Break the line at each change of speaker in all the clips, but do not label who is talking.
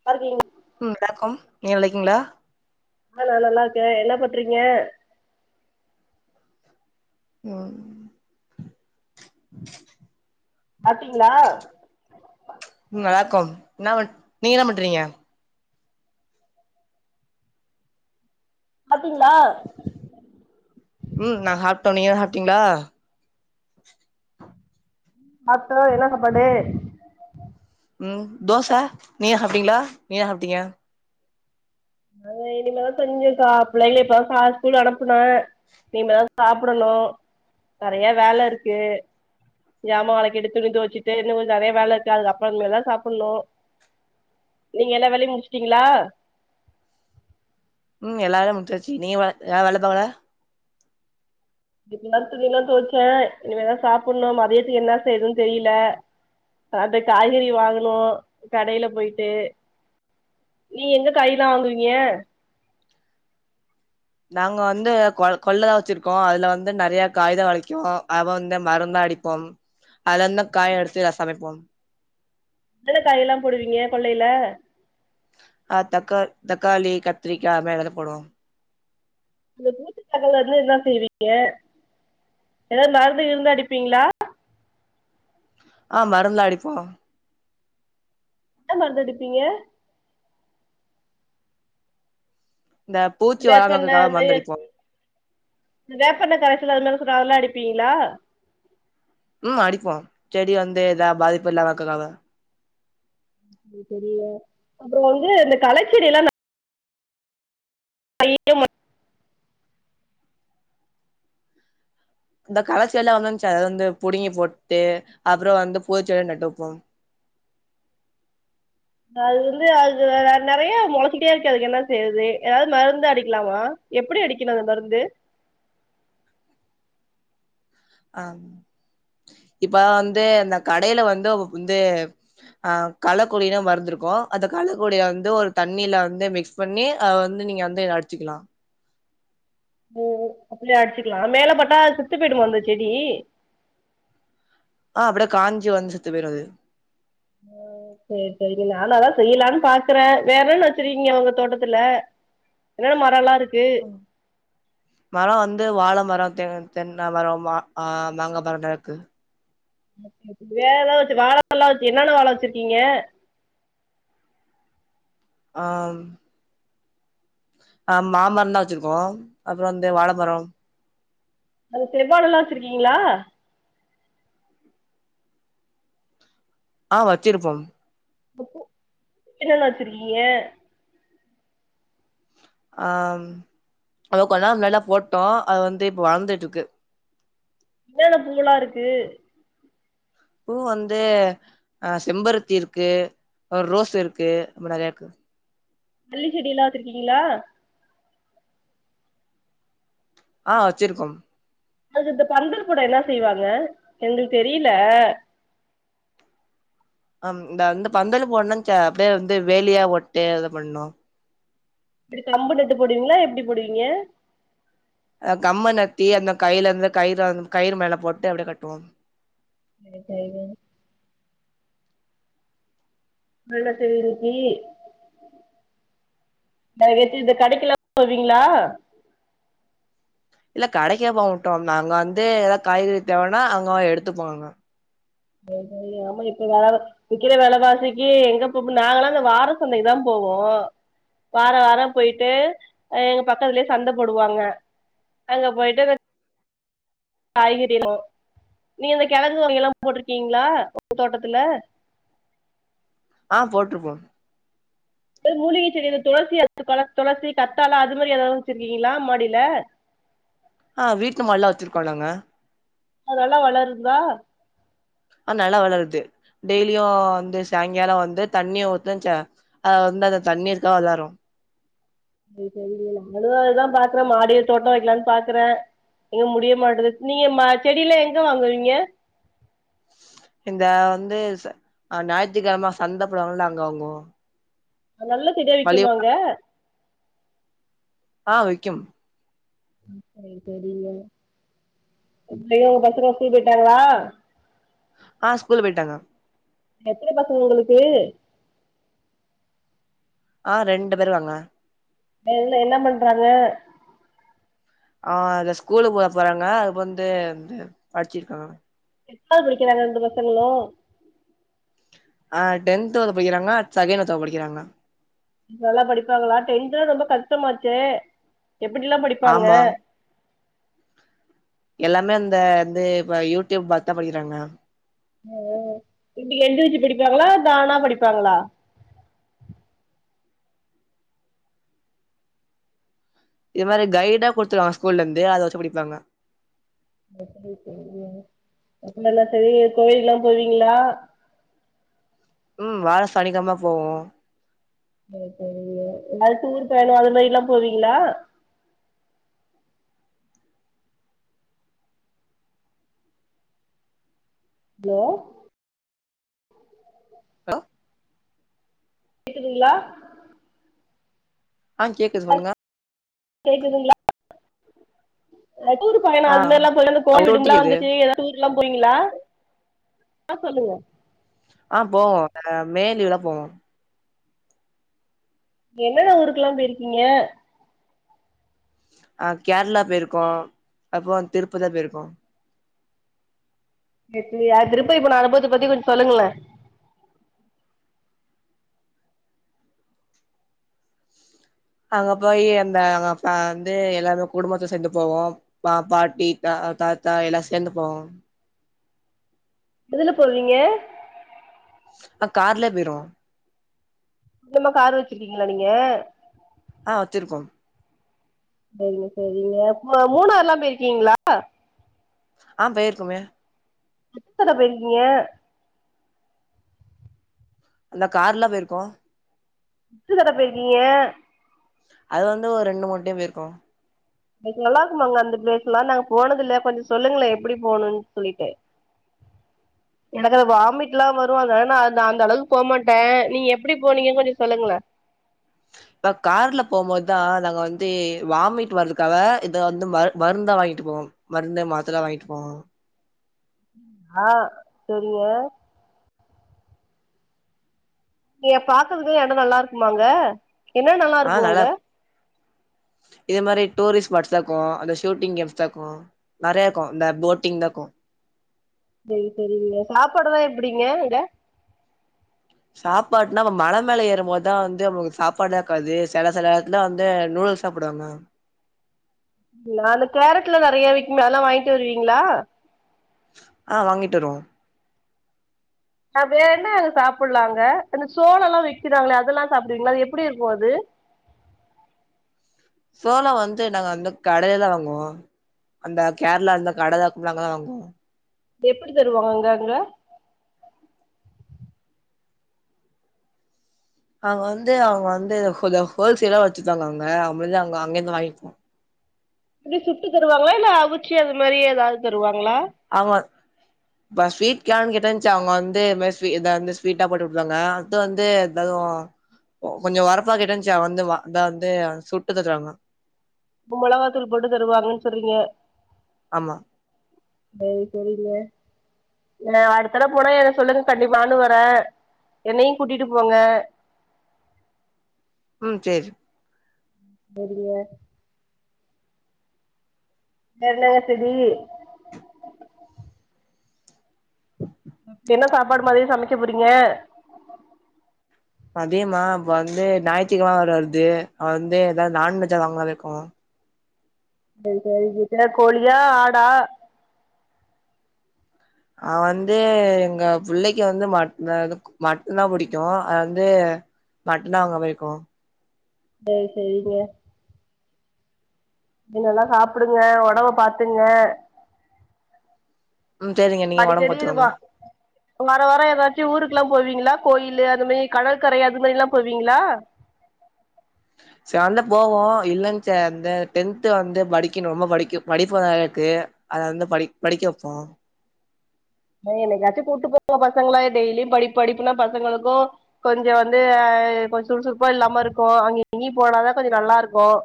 நல்லாருக்கீங்ளா
ம் வணக்கம் நீங்க நல்லாருக்கீங்ளா
ஆ நா நல்லாருக்கே என்ன பண்றீங்க
ம்
சாப்ட்டீங்களா
ம் நல்லாருக்கோ என்ன நீங்க என்ன பண்றீங்க
சாப்டீங்களா
ம் நா சாப்ட்டோ நீங்க சாப்ட்டீங்ளா
ஆத்தோ என்ன சாப்பாடு
ம் தோச நீங்க சாப்ட்டீங்ளா நீங்க என்ன சாப்ட்டீங்க
ஆ இனிமே தா செஞ்சு சாப் பிள்ளைங்கள இப்ப தா சா ஸ்கூல் அனுப்புன இனிமே தா சாப்டணு நெறய வேல இருக்கு ஜாம வெளக்கிட்டு துணி துவச்சுட்டு இன்னு கொஞ்ச நெறய வேல இருக்கு அது அப்பறமேதா சாப்பட்ணு நீங்க எல்லா வேலயு முடிச்சுட்டீங்ளா
ம் எல்லா வேலயு முடிச்சாச்சு நீங்க ஏ வேல பாக்கல
இப்பதா துணில்லா தொவச்ச இனிமே தா சாப்பட்ணு மதியத்துக்கு என்னா செய்றதுன்னு தெரியல அந்த காய்கறி வாங்கனு கடைல போய்ட்டு நீ எங்க காயில்லா வாங்குவீங்க
நாங்க வந்து கொ கொல்லதா வச்சிருக்கோ அதுல வந்து நெறய காய்தா வெளைக்கு அத வந்து மருந்தா அடி போம் அதிலருந்து காய்ல்லா எடுத்து‌ சமைப்போ
என்னென்ன காயெல்லா போடுவீங்க கொல்லைல
ஆ தக்கா தக்காளி கத்திரிக்காய் அந்த மாரி எல்லாமே போடுவோ
என்ன [unintelligible] செய்வீங்க எதாவது மருந்து கிருந்து அடிப்பீங்ளா
ஆ மருந்துல்லா அடிப்போ
என்ன மருந்து அடிப்பீங்க
இந்த பூச்சி வராம
வேப்பெண்ணெய்
இருக்கிறதுக்காக
அது
மருந்து
மாதிரி
அடிப்போங்க
இந்த வேப்பெண்ணெ கரைசல் அது மாரி சொல்றாங்க அதெல்லா அடிப்பீங்ளா
ம் அடிப்போ செடி வந்து எதா பாதிப்பு இல்லாம இருக்கக்காக
இது தெரிய்ல அப்பற வந்து இந்த கலைச்செடிலா நா [unintelligible]
இந்த களச்செடிலா ஒக்காந்து ச வந்து புடுங்கி போட்டு அப்றோ வந்து பூச் செடியா நாட்டு வெப்போ
அது வந்து அது அ நெறைய மொளச்சுக்கிட்டே இருக்கு அதுக்கு என்ன செய்யறது எதாவ்து மருந்து அடிக்கலாமா எப்டி அடிக்கனு அந்த மருந்து
ஆ இப்ப வந்து இந்த கடைல வந்து அவ்க வந்து ஆ களக்கொல்லினு மருந்து இருக்கு அந்த களக்கொல்லிய வந்து ஒரு தண்ணீல வந்து மிக்ஸ் பண்ணி அத வந்து நீங்க வந்து இத அடிச்சிக்கலா
ஓ அப்டினா அடிச்சிக்கலா மேல பட்டா செத்து போயிடுமா அந்த செடி
ஆ அப்டியே காஞ்சி வந்து செத்து போயிரு அது
ஓ சேரி சேரிங்க நானு அதா செய்யலானு பாக்குறே வேற என்ன வெச்சிருக்கீங்க ஒங்க தோட்டத்துல என்னன்ன மரலா இருக்கு
மர வந்து வாழ மர தெ தென்னமர மா ஆ மாங்கா மரலா இருக்கு
வேற எதா வெச்சு வாழைமரலா வெச்சு என்னென்ன வாழ வச்சிருக்கீங்க
ஆம் ஆ மாமரந்தா வச்சிருக்கோ அப்பறோ வந்து வாழ மர
அது செவ்வாழலா வெச்சிருக்கீங்களா
ஆ வச்சிருப்போம்
அப்போ என்னன்ன வச்சுருக்கீங்க
ஆம் அது கொஞ்ச நாளு முன்னாடிலா போட்டோ அது வந்து இப்போ வளந்துட்ருக்கு
என்னென்ன பூவுலா இருக்கு
பூ வந்து ஆ செம்பருத்தி இருக்கு அ ரோஸ் இருக்கு அப்டி நெறையா இருக்கு
மல்லி செடிலா வெச்சிருக்கீங்களா
ஆ வச்சிருக்கோம்
அதுக்கு இந்த பந்தல் பேட என்ன செய்வாங்க எங்களுக்கு தெரியல
ஆம் இந்த வந்து பந்தல போட்ணு சே அப்டியே வந்து வேலியா போட்டு இத பண்ணோ
இப்டி கம்பு நட்டு போடுவீங்ளா எப்டி போடுவீங்க
அ கம்ப நத்தி அந்த கைலருந்து கயிற வந்து கயிறு மேல போட்டு அப்டியே கட்டுவோம்
சேரி சேரிங்க வெள்ல சேரி இன்னக்கி நாளக் கழிச்சு இந்த கடைக்குலா போவீங்ளா
இல்ல கடைக்கே போ மாட்டோ நாங்க வந்து எதா காய்கறி தேவனா அங்க போய் எடுத்துப்போ நாங்க
சேரி சேரி ஆமா இப்ப வேற விக்கிற வெலவாசிக்கு எங்கப்போ இப்ப நாங்கலா இந்த வார சந்தைக்கு தா போவோ வார வார போயிட்டு அ இங்க பக்கத்துலே சந்த போடுவாங்க அங்க போயட்டு ரெண் காய்கறிகளு நீங்க இந்த கெழங்கு வகைலா போட்ருக்கீங்ளா உங்க தோட்டத்துல
ஆ போட்ருப்போ
ஏ மூலிக செடி இந்த துளசி [inaudible] தொளசி கத்தாழ அது மாரி எதாவ்து வச்சிருக்கீங்களா மாடில
ஆ வீட்டு மாடில வச்சுருக்கோ நாங்க
அது நல்லா வளருதா
ஆ நல்லா வளருது டெய்லியு வந்து சாயங்கால வந்து தண்ணிய ஊத்துச்ச அத வந்து அ தண்ணி இருந்தா வளரு
[unintelligible] அதுனால தா பாக்குறே மாடிய தோட்டம் வைக்கலானு பாக்குறே எங்க முடிய மாட்டுது நீங்க மா செடில எங்க வாங்குவீங்க
இந்த வநது ச அ ஞாயித்துகெழம சந்தபோடுவாங்கல அங்க வாங்குவோ
நல்ல செடியா விக்குமா அங்க
ஆ விக்கு
சரி சரிங்க பைய உங்க பசங்க ஸ்கூல் போயிட்டாங்களா
ஆ ஸ்கூலு போயிட்டாங்க
எத்தன பசங்க உங்களுக்கு
ஆ ரெண்டு பேரு வாங்க
ல்ல என்ன பண்றாங்க
ஆ இ ஸ்கூலு போக போறாங்க அதுப்ப வந்து இந்த படிச்சிருக்காங்க
[unintelligible] படிக்கிறாங்க ரெண்டு பசங்களு
ஆ டென்த் ஒரு படிக்கிறாங்க செகண்ட் ஒருத்தவுஙக படிக்கிறாங்க
நல்லா படிப்பாங்களா டென்தலா ரொம்ப கஷ்டமாச்சே எப்படிலா படிப்பாங்க
ஆமா எல்லாமே அந்த வந்து ப யூடியூப் பாத்துதா படிக்கிறாங்க
இப்டி எந்திருச்சு படிப்பாங்களா தானா படிப்பாங்களா
இது மாரி கைடா குடுத்துருவாங்க ஸ்கூல இருந்து அத வச்சு படிப்பாங்க
[unintelligible] [unintelligible] ல்லா சரி கோயிலுக்கு எல்லா போவீங்களா
ம் வார சனிக்கிழம போவோ
சேர் சேரிங்க அடுத்து ஊர் பயணோ அது மாரி எல்லா போவீங்களா ஹலோ
ஹலோ
கேக்குதுங்களா
ஆ கேக்குது சொல்லுங்க
கேக்குதுங்களா அ டூரு பையனோ
ஆ
அது மாரிலா [unintelligible]
அவுட்
லா
கேக்குது
வந்துச்சு டூர்லா போயிங்களா ஆ சொல்லுங்க
ஆ போவோ மே லீவுல போவோ
என்ன என்ன ஊருக்கெல்லா போயிருக்கீங்க
ஆ கேரளா போயிருக்கோ அப்புற திருப்பத போயிருக்கோ
எப்பியா திருப்பதி போன அனுபவத்த பத்தி கொஞ்ச சொல்லுங்களே
அங்க போய் அந்த அங்க அப்ப வந்து எல்லாருமே குடும்பத்த சேந்து போவோ பா பாட்டி தா தாத்தா எல்லா சேந்து போவோ
எதுல போவீங்க
ஆ கார்லே போயிருவோ
ந்தமா காரு வச்சிருக்கீங்களா நீங்க
ஆ வச்சிருக்கோ
சரிங்க சரிங்க ம மூணாறு லா போயிருக்கீங்களா
ஆ போயிருக்குமே
[unintelligible] போயிருக்கீங்க
அந்த கார்ல போயிருக்கோ
த்தட போயிருக்கீங்க
அது வந்து ஒரு ரெண்டு மூணு டைம் போயிர்க்கோ
அத் நல்லா இருக்குமாங்க அந்த பிளேஸ்லா நாங்க போனது இல்ல கொஞ்ச சொல்லுங்ளே எப்டி போணுன் சொல்லிட்டு எனக்கு வாமிட்லா வரு அதனால நா அ அந்த அளவுக் போமாட்டே நீங்க எப்டி போனீங்கன் கொஞ்ச சொல்லுங்ளே
இப்ப கார்ல போம்போது தா நாங்க வந்து வாமிட் வர்துக்காக இத வந்து மர் மர்ந்தா வாங்கிட்டு போவோ மருந்த மாத்திரலா வாங்கிட்டு போவோ
ஆ செரிங்க கிய பாக்கறதுக்கலா எடோ நல்லா இருக்குமாங்க என்ன
ஆ
இருக்கு
நல்லா
அங்க
இதே மாரி டூரிஸ்ட ஸ்பாட்ஸ்லாக்கு அந்த ஷூட்டிங் கேம்ஸ் தா க்கு நெறயாக்கு இந்த போட்டிங் தா க்கு
செரி செரிங்க நாப்பாடுலா எப்டிங்க இங்க
சாப்பாட்னா நம்ம மல மேல ஏறும் போது தா வந்து நம்ளுக்கு சாப்பாட்லா இக்காது செல செல எத்ல வந்து நூடுல்ஸ் சாப்டுவாங்க
நா அந்த கேரட்ல நெறைய விக்குமே அதெல்லா வாய்ன்ட்டு வருவீங்ளா
ஆ வாங்கிட்டு வருவோ
அ பேறென்ன அங்க சாப்புலா அங்க இந்த சோளலா விக்கிறாங்ளே அதெல்லா சாப்டுவீங்ளா அது எப்டி இருக்கு அது
சோளோ வந்து நாங்க அந்த கடைலதா வாங்குவோ அந்த கேர்ளாந்த கடதாக்கும்ல அங்க தா வாங்குவோ
எப்டி தருவாங்க அங்க அங்க
அவுங்க வந்து அவுங்க வந்து கொஞ்சோ ஹோல்சேலா வச்சிட்டாங்க அங்க அம்புள்து அங்க அங்கிந்து வாங்கிப்போ
எப்டி சுட்டு தருவாங்ளா இல்ல அவிச்சி அது மாரி ஏதாது தருவாங்ளா
ஆமா இப்ப ஸ்வீட் கேன் கேட்டேன்ச்சு அவுங்க வந்து இதுமேர் ஸ்வீ இந்த அந்த ஸ்வீட்டா போட்டு குட்த்தாங்க இது வந்து தருவோ கொஞ்சோ ஒரப்பா கேட்டேன்ச்சு வந்து வ அத வந்து சுட்டு தருவாங்க
இப்ப மொளகாத்துள் போட்டு தருவாங்கன் சொல்றீங்க
ஆமா
சேரி செரிங்க ஏ அடுத்தடவ போனா என்டா சொல்லுங்க கண்டிப்பா நானு வரே என்னயு கூட்டிட்டு போங்க
ம் சேரி
செரிங்க வேர்இன்னங்க செதீ என்ன சாப்பாடு மதிய சமைக்க போறீங்க
மதியமா வந்து ஞாய்த்திகிழம வேற வர்து அவ வந்து ஏதாது நான்வெஜ்ஜா வாங்ளான் இர்க்கோங்க
செரி சேரி பிஜ கோழியா ஆடா
அவ வந்து எங்க புள்ளைக்கு வந்து மட்னாது கோ மட்னா புடிக்கு அத் வந்து மட்னா கா பிடிக்கு
சேர் செரிங்க செர் நல்லா சாப்பிடுங்க உடம்ப பாத்துங்க
ம் சரிங்க நீங்க ஒடம்பு
அடிக்கடி இதுவா
பாத்துக்கோங்க
வார வார ஏதாச்சு ஊருக்குலா போவீங்ளா கோயிலு அந்த மேர் கடற்கரை அது மேரிலா போவீங்ளா
சேர்ந்து போவோ இல்லென் செர் அந்த டென்து வந்து படிக்கிணு ரொம்ப படிக்கு படிப்ப தறையக்கு அத வந்து படி படிக்க வெப்போ
ஏ என்னைக்காச்சு கூப்ட்டு போவு பசங்ளை டெய்லியு படிப்பு படிப்புனா பசங்களுக்கு கொஞ்சோ வந்து அ, கொஞ்சோ சுறுசுறுப்பா இல்லாம இருக்கும். அங்க இங்கயும் போனாதா கொஞ்சோ நல்லா இருக்கும்.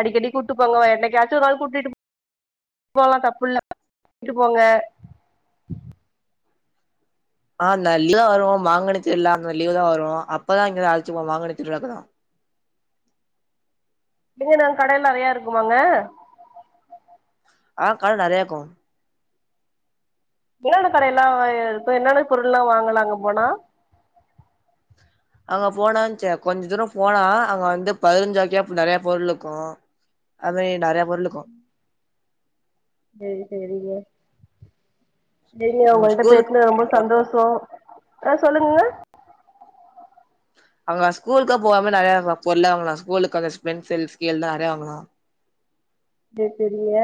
அடிக்கடி கூப்ட்டு போங்கோ என்னைகாச்சும் ஒரு நாள் கூட்டிட்டு போலாம் தப்பு இல்ல கூட்டு போங்க.
ஆ.. நல்லா வருவோம் மாங்கனி திருவிழா, அந்த லீவு தான் வரும் அப்பதான்ங்கே அழச்சப்போவோம் மாங்கனி திருவிழாக்கு தான்.
இங்கேனா கடையிலா நெறைய இருக்குமாங்க.
ஆ.. கட நெறையா இருக்கும்.
என்னென்ன கடையெல்லா இப்ப என்னென்ன பொருள் எல்லாம் வாங்கலாங்க போனா.
அங்க போனான்ச்சே கொஞ்ச தூரம் போனா, அங்க வந்து பதினஞ்ரூவாக்கியா நெறைய பொருள் இருக்கும். அதுமாரி நெறைய பொருள் இருக்கும்.
சேரி சேரிங்க சேரிங்க
ம்
உங்ககிட்ட
ஸ்கூலுக்கு
பேசுனதுல ரொம்ப சந்தோஷம். ஆ சொல்லுங்க.
அவுங்க ஸ்கூலுக்க போகாம நெறைய. [unintelligible] ஸ்கூலுக்காக பென்சில், ஸ்கேல்லா நெறைய தருவாங்கலா.
சேரி செரிங்க,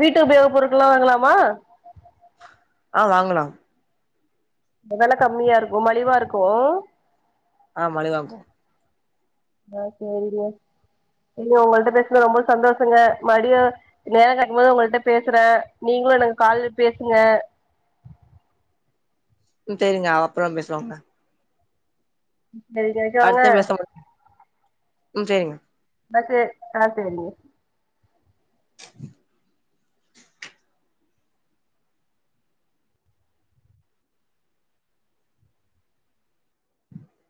வீட்டு உபயோக பொருட்கல்லாம் வாங்கலாமா.
ஆ.. வாங்கலாம்.
அதெல்லாம் கம்மியா இருக்கும். மலிவா இருக்கும்.
ஆ.. மலிவா இருக்கும்.
ஆ.. சேரி டியர், உண்மையா உங்கள்ட்ட பேசுனது ரொம்ப சந்தோஷங்க, மை டியர். நேரம் இருக்கும் போது உங்கள்ட்ட பேசுறேன். நீங்களும் எனக்கு காலு பேசுங்க.
உம்.. சேரிங்க அப்றோம் பேசுறோங்க.
சரி காய்ஸ்
அடுத்த பேசுவாங்க, உம் சரிங்க.
டாக்டர் ஆ சேரிங்க.